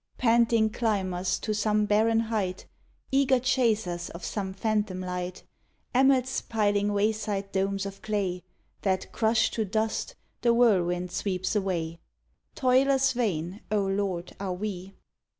_" Panting climbers to some barren height; Eager chasers of some phantom light; Emmets piling wayside domes of clay, That, crushed to dust, the whirlwind sweeps away; Toilers vain, O Lord, are we.